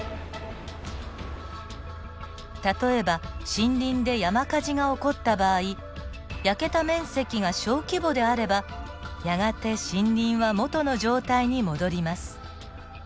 例えば森林で山火事が起こった場合焼けた面積が小規模であればやがて森林は元の状態に戻ります。